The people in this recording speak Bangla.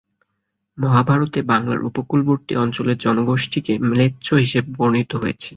মহাভারত এ বাংলার উপকূলবর্তী অঞ্চলের জনগোষ্ঠীকে ম্লেচ্ছ হিসেবে বর্ণিত হয়েছে।